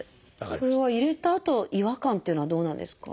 これは入れたあと違和感っていうのはどうなんですか？